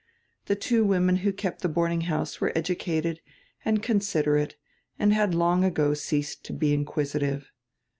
The two women who kept the boarding house were educated and considerate and had long ago ceased to be inquisitive.